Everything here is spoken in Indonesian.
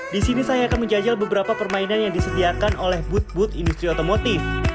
di sini saya akan menjajal beberapa permainan yang disediakan oleh booth booth industri otomotif